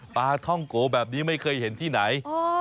ปลาท่องโกแบบนี้ไม่เคยเห็นที่ไหน